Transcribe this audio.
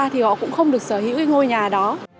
thì họ cũng không được sở hữu cái ngôi nhà đó